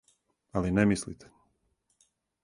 Али не мислите.